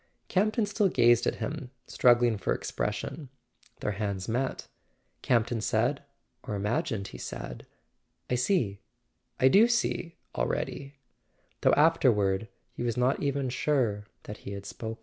Campton still gazed at him, struggling for expres¬ sion. Their hands met. Campton said—or imagined he said: "I see—I do see, already " though afterward he was not even sure that he had spoken.